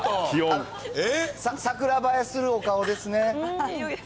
桜映えするお顔ですね。